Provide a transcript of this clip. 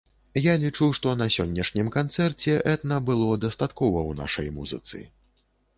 Я лічу, што на сённяшнім канцэрце этна было дастаткова ў нашай музыцы.